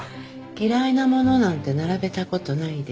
嫌いなものなんて並べた事ないでしょ？